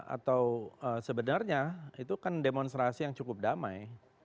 atau sebenarnya itu kan demonstrasi yang cukup damai